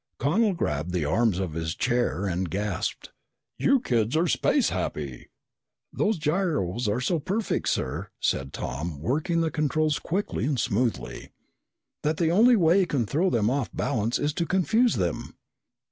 Connel grabbed the arms of his chair and gasped, "You kids are space happy!" "Those gyros are so perfect, sir," said Tom, working the controls quickly and smoothly, "that the only way you can throw them off balance is to confuse them."